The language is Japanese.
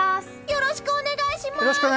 よろしくお願いします！